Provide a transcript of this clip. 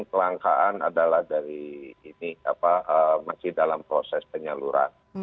kelangkaan adalah dari ini masih dalam proses penyaluran